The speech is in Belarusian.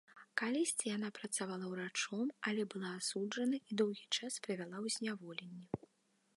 Калісьці яна працавала ўрачом, але была асуджана і доўгі час правяла ў зняволенні.